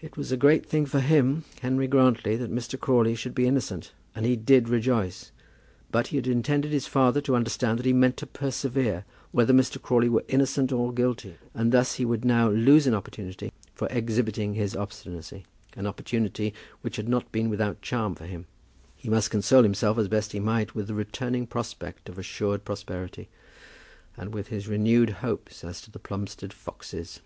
It was a great thing for him, Henry Grantly, that Mr. Crawley should be innocent, and he did rejoice; but he had intended his father to understand that he meant to persevere, whether Mr. Crawley were innocent or guilty, and thus he would now lose an opportunity for exhibiting his obstinacy, an opportunity which had not been without a charm for him. He must console himself as best he might with the returning prospect of assured prosperity, and with his renewed hopes as to the Plumstead foxes!